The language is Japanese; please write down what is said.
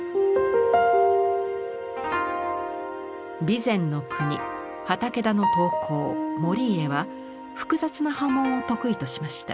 備前国畠田の刀工守家は複雑な刃文を得意としました。